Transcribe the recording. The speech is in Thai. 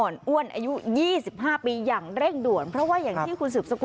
อ่อนอ้วนอายุ๒๕ปียังเร่งด่วนเพราะว่าอย่างที่คุณศือบสกุลบอกไป